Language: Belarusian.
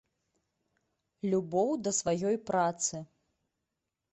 Любоў да сваёй працы.